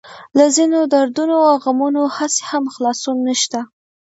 له ځينو دردونو او غمونو هسې هم خلاصون نشته.